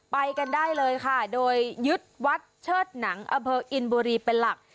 ไปกันได้เลยค่ะโดยยึดวัดเชิดหนังอเภออินบุรีเป็นหลัก